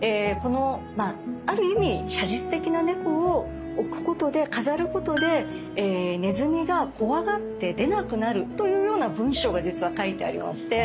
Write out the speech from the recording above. まあある意味写実的な猫を置くことで飾ることでねずみが怖がって出なくなるというような文章が実は書いてありまして。